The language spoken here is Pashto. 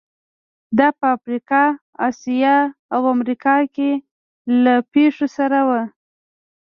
دا په افریقا، اسیا او امریکا کې له پېښو سره وو.